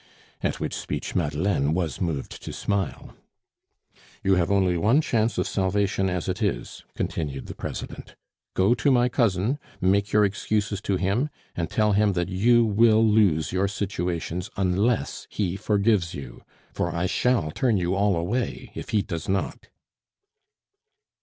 At which speech Madeleine was moved to smile. "You have only one chance of salvation as it is," continued the President. "Go to my cousin, make your excuses to him, and tell him that you will lose your situations unless he forgives you, for I shall turn you all away if he does not."